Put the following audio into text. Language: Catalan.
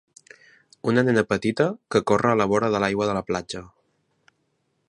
Una nena petita que corre a la vora de l'aigua de la platja.